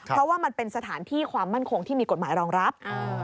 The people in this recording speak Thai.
เพราะว่ามันเป็นสถานที่ความมั่นคงที่มีกฎหมายรองรับ